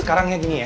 sekarangnya gini ya